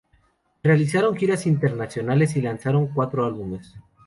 Realizaron giras internacionales y lanzaron cuatro álbumes.